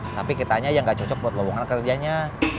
tapi kitanya yang gak cocok buat lowongan kerjanya